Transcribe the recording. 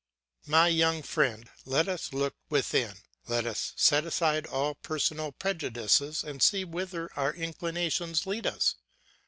My young friend, let us look within, let us set aside all personal prejudices and see whither our inclinations lead us.